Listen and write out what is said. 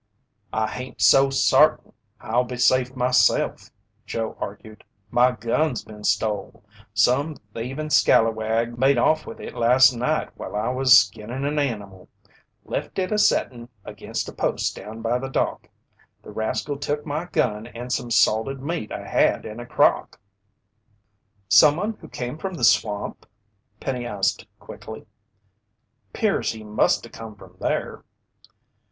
"I hain't so sartain I'll be safe myself," Joe argued. "My gun's been stole. Some thieven scalawag made off with it late last night while I was skinnin' an animal. Left it a settin' against a post down by the dock. The rascal took my gun and some salted meat I had in a crock!" "Someone who came from the swamp?" Penny asked quickly. "'Pears he must o' come from there."